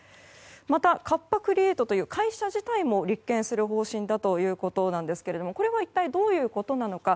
またカッパ・クリエイトという会社自体も立件する方針だということなんですけれどもこれは一体どういうことなのか。